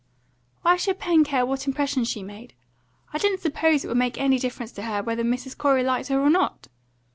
"Why should Pen care what impression she made? I didn't suppose it would make any difference to her whether Mrs. Corey liked her or not."